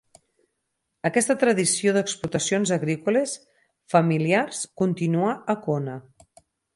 Aquesta tradició d'explotacions agrícoles familiars continuà a Kona.